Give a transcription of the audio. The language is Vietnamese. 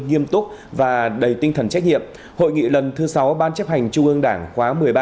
nghiêm túc và đầy tinh thần trách nhiệm hội nghị lần thứ sáu ban chấp hành trung ương đảng khóa một mươi ba